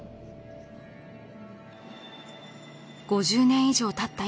５０年以上たった